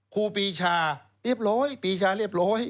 ครูปีชาเรียบร้อยปีชาเรียบร้อย